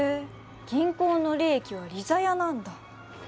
銀行の利益は利ざやなんだ。